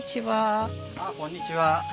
あっこんにちは。